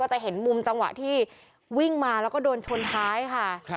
จะเห็นมุมจังหวะที่วิ่งมาแล้วก็โดนชนท้ายค่ะ